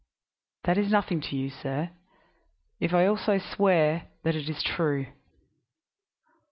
"That is nothing to you, sir, if I also swear that it is true."